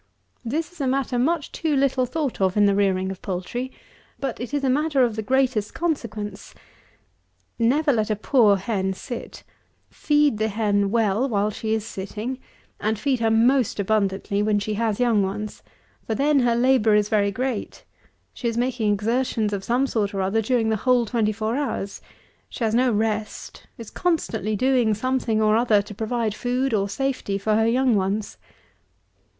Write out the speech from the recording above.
This is a matter much too little thought of in the rearing of poultry; but it is a matter of the greatest consequence. Never let a poor hen sit; feed the hen well while she is sitting, and feed her most abundantly when she has young ones; for then her labour is very great; she is making exertions of some sort or other during the whole twenty four hours; she has no rest; is constantly doing something or other to provide food or safety for her young ones.